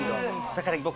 だから僕も。